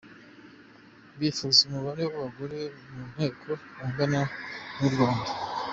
Bifuza umubare w’abagore mu Nteko ungana n’uw’u Rwanda